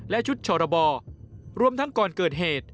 และชุดชรบรวมทั้งก่อนเกิดเหตุ